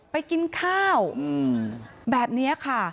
ไปกินข้าวแบบนี้ค่ะ